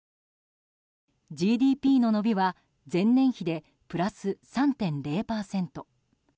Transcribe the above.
ＧＤＰの伸びは前年比でプラス３．０％。